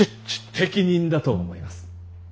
適任だと思います。